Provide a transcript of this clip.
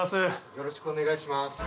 よろしくお願いします。